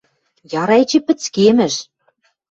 Яра эче пӹцкемӹш...